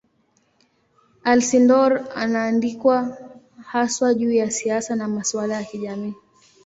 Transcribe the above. Alcindor anaandikwa haswa juu ya siasa na masuala ya kijamii.